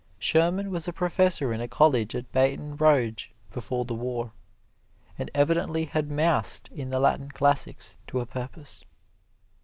Sherman was a professor in a college at Baton Rouge before the War, and evidently had moused in the Latin classics to a purpose.